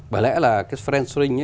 bởi lẽ là fair shoring